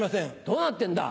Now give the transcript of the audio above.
どうなってんだ。